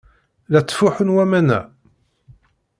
La ttfuḥun waman-a.